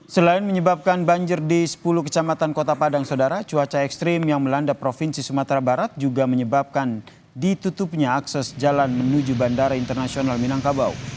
selain menyebabkan banjir di sepuluh kecamatan kota padang saudara cuaca ekstrim yang melanda provinsi sumatera barat juga menyebabkan ditutupnya akses jalan menuju bandara internasional minangkabau